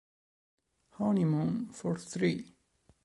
Honeymoon for Three